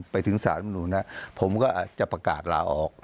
ไปถึงสารมนุนผมก็จะประกาศลาออก